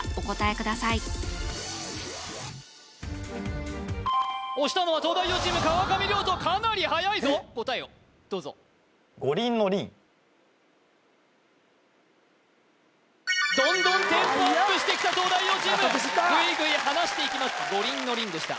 ください押したのは東大王チーム川上諒人かなりはやいぞ答えをどうぞ五輪のどんどんテンポアップしてきた東大王チームグイグイ離していきます五輪の「輪」でした